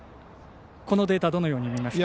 このデータはどのように見ますか。